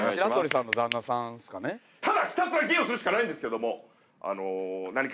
ただひたすら芸をするしかないんですけどもあの何か。